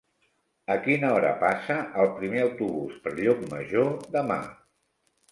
A quina hora passa el primer autobús per Llucmajor demà?